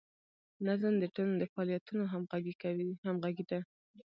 نظم د ټولنې د فعالیتونو همغږي ده.